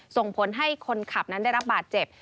ส่งผลให้คนขับนั้นได้รับบาดเจ็บ